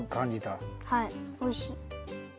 はいおいしい。